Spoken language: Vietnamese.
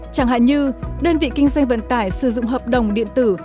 chẳng hạn như đơn vị kinh doanh vận tải sử dụng hợp đồng điện tử